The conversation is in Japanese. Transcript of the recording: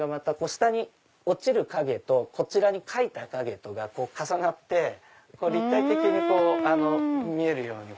下に落ちる影とこちらに描いた影とが重なって立体的に見えるように。